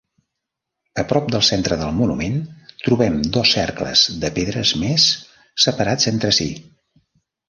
A prop del centre del monument trobem dos cercles de pedres més, separats entre si.